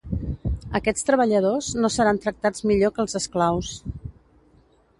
Aquests treballadors no seran tractats millor que els esclaus.